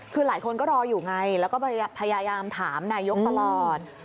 คือหลายคนก็รออยู่ไงแล้วก็พยายามถามนายกตลอด